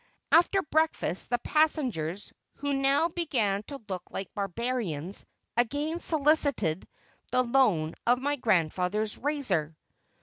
After breakfast the passengers, who now began to look like barbarians, again solicited the loan of my grandfather's razor.